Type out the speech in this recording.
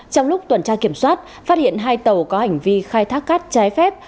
trong lúc tuần tra kiểm soát phát hiện hai tàu có hành vi khai thác cát trái phép